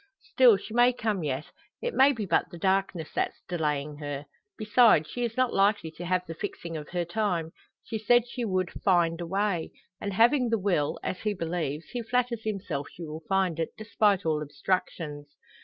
Still she may come yet. It may be but the darkness that's delaying her. Besides, she is not likely to have the fixing of her time. She said she would "find a way;" and having the will as he believes he flatters himself she will find it, despite all obstructions.